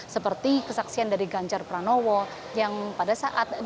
seperti kesaksian dari ganjar pranowo yang pada saat